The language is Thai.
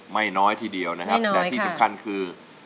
ไม่น้อยทีเดียวนะครับไม่น้อยค่ะแต่ที่สำคัญคือ